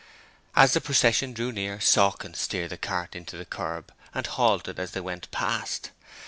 As the procession drew near, Sawkins steered the cart into the kerb and halted as they went past.